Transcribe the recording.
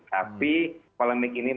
tapi polemik ini masih terjadi